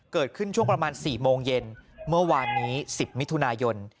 เกิดขึ้นช่วงประมาณ๔โมงเย็นเมื่อวานนี้๑๐มิถุนายน